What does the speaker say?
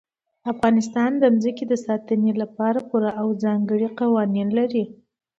افغانستان د ځمکه د ساتنې لپاره پوره او ځانګړي قوانین لري.